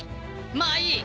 まあいい。